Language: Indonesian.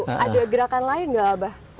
ada gerakan lain nggak abah